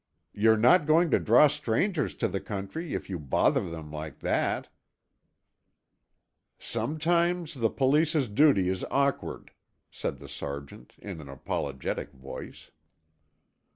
You're not going to draw strangers to the country if you bother them like that." "Sometimes the police's duty is awkward," said the sergeant in an apologetic voice.